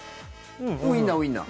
ウインナー、ウインナー。